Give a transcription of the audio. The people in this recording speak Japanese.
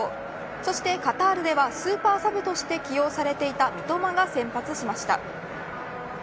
そしてカタールではスーパーサブとして起用されていた三笘が先発しました。